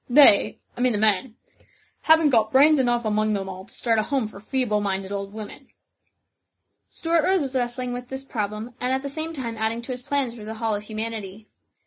They, I mean the men, haven't got brains enough among them all to start a home for feeble minded old women !" Stuart was wrestling with this problem, and at the same time adding to his plans for The Hall of Humanity.